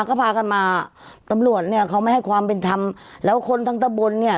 ก็พากันมาตำรวจเนี่ยเขาไม่ให้ความเป็นธรรมแล้วคนทั้งตะบนเนี่ย